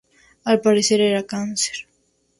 Al parecer era cáncer.